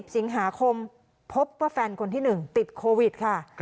สิงหาคมพบว่าแฟนคนที่๑ติดโควิดค่ะ